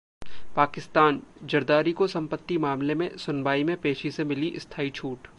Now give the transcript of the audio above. पाकिस्तान: जरदारी को संपत्ति मामले में सुनवाई में पेशी से मिली स्थाई छूट